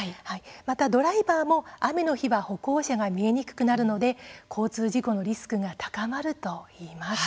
ドライバーも雨の日は歩行者が見えにくくなるので交通事故のリスクが高まるといいます。